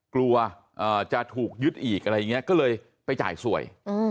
กลัวจะถูกยึดอีกอะไรอย่างนี้ก็เลยไปจ่ายสวย